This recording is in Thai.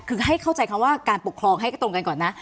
คือให้เข้าใจคำว่าการปกครองให้ตรงกันก่อนนะ